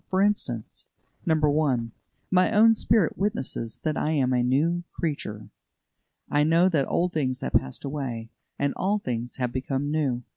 For instance: 1. My own spirit witnesses that I am a new creature. I know that old things have passed away, and all things have become new.